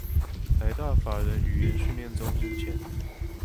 臺大法人語言訓練中心前